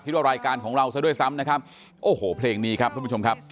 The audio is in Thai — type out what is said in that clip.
รายการของเราซะด้วยซ้ำนะครับโอ้โหเพลงนี้ครับทุกผู้ชมครับ